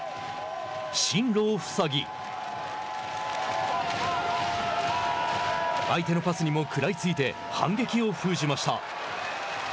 進路をふさぎ相手のパスにも食らいついて反撃を封じました。